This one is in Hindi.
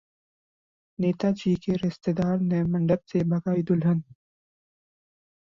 नेताजी के रिश्तेदार ने मंडप से भगाई दुल्हन